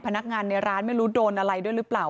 พนักงานในร้านไม่รู้โดนอะไรด้วยหรือเปล่า